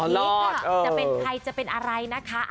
เล็กจะเป็นใครจะเป็นอะไรนะคะ